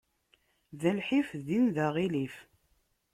Da lḥif, din d aɣilif.